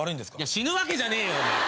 死ぬわけじゃねえよ！